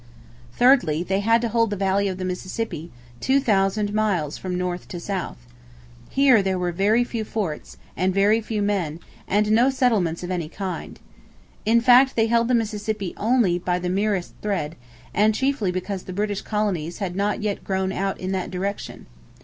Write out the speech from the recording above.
Thirdly, they had to hold the valley of the Mississippi, two thousand miles from north to south. Here there were very few forts, very few men, and no settlements of any kind. In fact, they held the Mississippi only by the merest thread, and chiefly because the British colonies had not yet grown out in that direction.